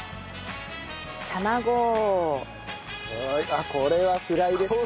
あっこれはフライですね。